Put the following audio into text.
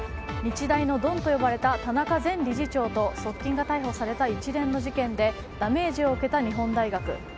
日大のドンと呼ばれた田中前理事長と側近が逮捕された一連の事件でダメージを受けた日本大学。